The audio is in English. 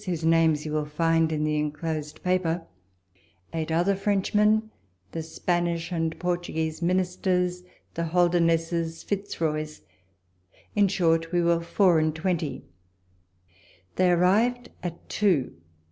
141 whose names you will find in the enclosed paper, eight other Frenchmen, the Spanish and Portu guese ministers, the Holdernesses, Fitzroys, in short, we were four and twenty. They arrived at two.